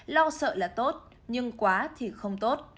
là tốt nhưng quá thì không tốt